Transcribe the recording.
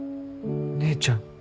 姉ちゃん。